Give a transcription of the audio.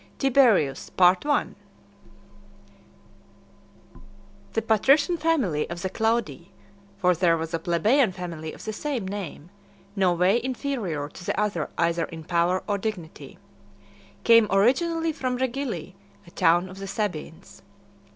TIBERIUS NERO CAESAR. (192) I. The patrician family of the Claudii (for there was a plebeian family of the same name, no way inferior to the other either in power or dignity) came originally from Regilli, a town of the Sabines.